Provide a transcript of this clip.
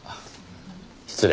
失礼。